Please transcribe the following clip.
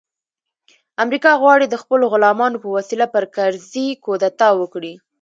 امریکا غواړي د خپلو غلامانو په وسیله پر کرزي کودتا وکړي